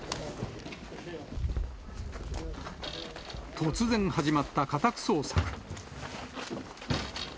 突然始まった家宅捜索。